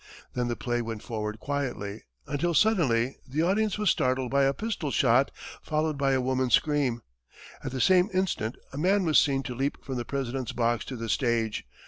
Then the play went forward quietly, until suddenly the audience was startled by a pistol shot, followed by a woman's scream. At the same instant, a man was seen to leap from the President's box to the stage.